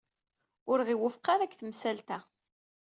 Ur ɣ-iwufeq ara deg temsalt-a.